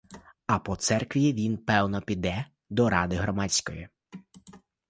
А по церкві він, певно, піде до ради громадської.